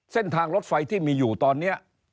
เส้นทางรถไฟที่มีอยู่ตอนนี้